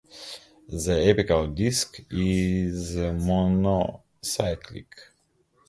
The apical disc is monocyclic.